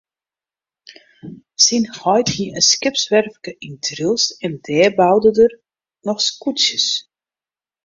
Syn heit hie in skipswerfke yn Drylts en dêr boude er noch houten skûtsjes.